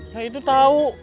nah itu tau